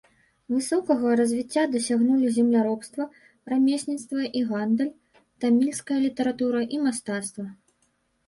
Высокага развіцця дасягнулі земляробства, рамесніцтва і гандаль, тамільская літаратура і мастацтва.